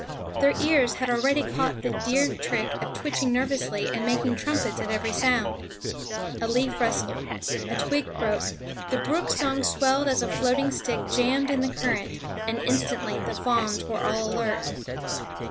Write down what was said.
Their ears had already caught the deer trick of twitching nervously and making trumpets at every sound. A leaf rustled, a twig broke, the brook's song swelled as a floating stick jammed in the current, and instantly the fawns were all alert.